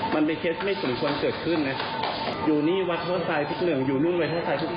มันเป็นเคสไม่สมควรเกิดขึ้นนะอยู่นี่วัดภาษาอยู่นู่นวัดภาษาทุกศรี